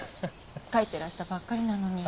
帰ってらしたばっかりなのに。